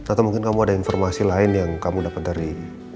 atau mungkin kamu ada informasi lain yang kamu dapat dari